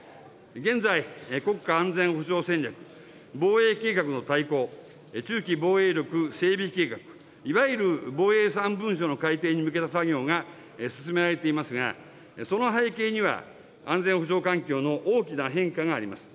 現在、国家安全保障戦略、防衛計画の大綱、中期防衛力整備計画、いわゆる防衛三文書の改定に向けた作業が進められていますが、その背景には、安全保障環境の大きな変化があります。